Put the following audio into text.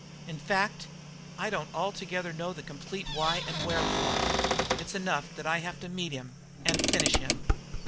In fact, I don't altogether know the complete why and wherefore. It's enough that I have to meet him and finish him!"